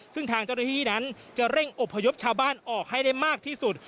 ซึ่งทางเจ้าหน้าที่นั้นจะเร่งอบพยพชาวบ้านออกให้ได้มากที่สุด